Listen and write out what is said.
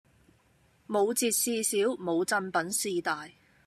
冇折事小，冇贈品事大